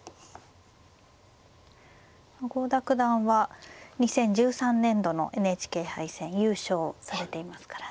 郷田九段は２０１３年度のＮＨＫ杯戦優勝されていますからね。